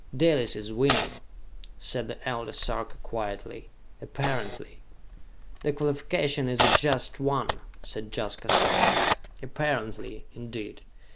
"Dalis is winning," said the Elder Sarka quietly, "apparently!" "The qualification is a just one," said Jaska softly. "'Apparently,' indeed!